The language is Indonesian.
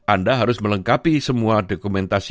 anda harus melengkapi semua dokumentasi